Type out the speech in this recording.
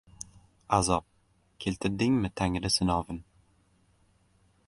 Azob, keltirdingmi Tangri sinovin?